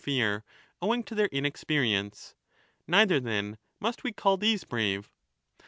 20 1190*' fear owing to their inexperience. Neither, then, must we 35 call these brave.